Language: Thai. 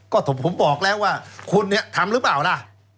ก็ผมบอกแล้วว่าคุณเนี่ยทำหรือเปล่าล่ะ